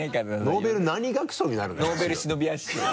ノーベル何学賞になるんだよ。